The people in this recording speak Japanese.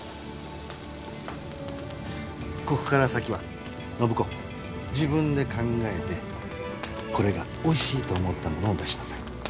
ここから先は暢子自分で考えてこれがおいしいと思ったものを出しなさい。